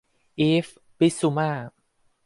อีฟส์ บิสซูม่า